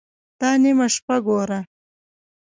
_دا نيمه شپه ګوره!